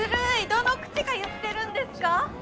どの口が言ってるんですか？